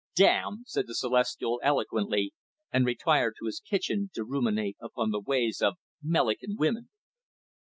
"Damn!" said the Celestial eloquently; and retired to his kitchen to ruminate upon the ways of "Mellican women."